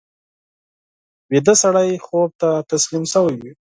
ویده سړی خوب ته تسلیم شوی وي